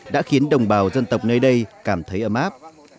đã khiến đồng bào dân tộc nơi đây cảm thấy ấm áp